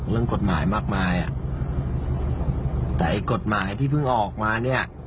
เรื่องกฎหมายมากมายอ่ะแต่ไอ้กฎหมายที่เพิ่งออกมาเนี่ย